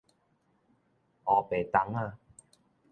烏白 tang 仔